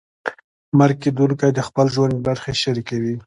مرکه کېدونکی د خپل ژوند برخې شریکوي.